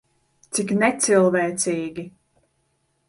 Cik necilvēcīgi.